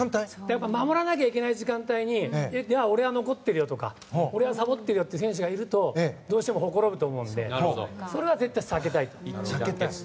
守らなきゃいけない時間帯に俺は残ってるよとか俺はさぼっているよという選手がいたらどうしてもほころぶと思うのでそれは絶対に避けたいです。